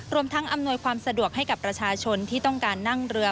รวมทั้งอำนวยความสะดวกให้กับประชาชนที่ต้องการนั่งเรือ